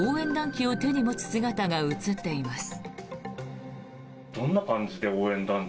旗を手に持つ姿が写っています。